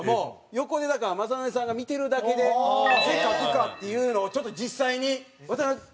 横で雅紀さんが見てるだけで汗かくかっていうのをちょっと実際に渡辺大丈夫ですか？